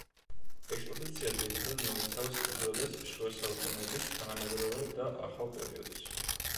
ექსპოზიცია ძირითადად მოიცავს უძველეს, შუა საუკუნეების, თანამედროვე და ახალ პერიოდს.